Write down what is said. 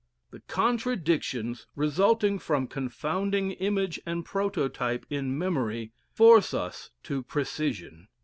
The contradictions resulting from confounding image and prototype in memory force us to precision.